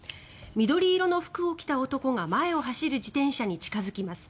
緑色の服を着た男が前を走る自転車に近付きます。